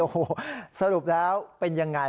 โอ้โหสรุปแล้วเป็นยังไง